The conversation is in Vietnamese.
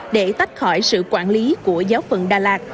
để tách khỏi sự quản lý của giáo phận đà lạt